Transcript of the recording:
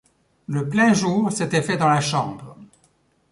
Le plein jour s’était fait dans la chambre.